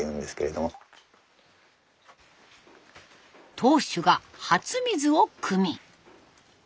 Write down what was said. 当主が初水をくみ。